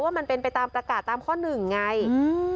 มันเป็นไปตามประกาศตามข้อหนึ่งไงอืม